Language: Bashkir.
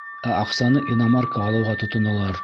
Ә аҡсаны иномарка алыуға тотоналар.